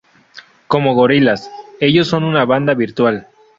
Como Gorillaz, ellos son una banda virtual.